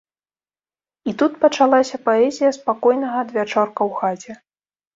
І тут пачалася паэзія спакойнага адвячорка ў хаце.